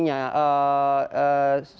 yang akan kita lakukan